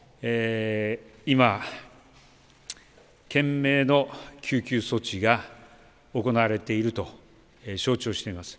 今、懸命の救急措置が行われていると承知をしています。